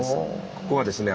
ここはですね